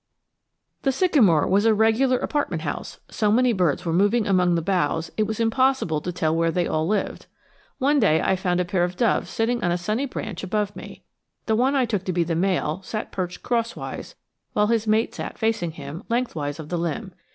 The sycamore was a regular apartment house; so many birds were moving among the boughs it was impossible to tell where they all lived. One day I found a pair of doves sitting on a sunny branch above me. The one I took to be the male sat perched crosswise, while his mate sat facing him, lengthwise of the limb.